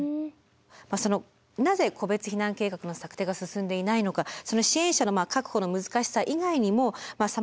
なぜ個別避難計画の策定が進んでいないのかその支援者の確保の難しさ以外にもさまざまな問題点が考えられます。